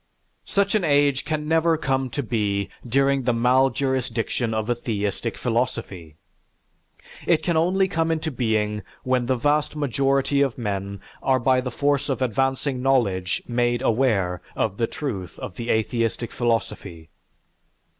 Such an age can never come to be during the maljurisdiction of a theistic philosophy. It can only come into being when the vast majority of men are by the force of advancing knowledge made aware of the truth of the atheistic philosophy.